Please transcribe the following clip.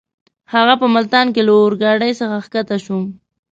هغه په ملتان کې له اورګاډۍ څخه کښته شو.